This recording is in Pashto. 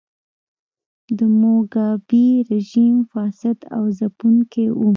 د موګابي رژیم فاسد او ځپونکی و.